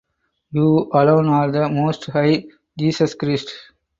You alone are the Most High, Jesus Christ